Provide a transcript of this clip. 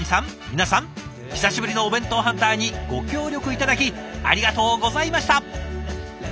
皆さん久しぶりのお弁当ハンターにご協力頂きありがとうございました！